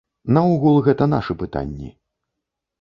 Наогул гэта нашы пытанні.